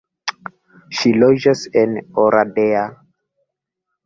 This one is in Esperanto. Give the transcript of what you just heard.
Ŝi loĝas en Oradea.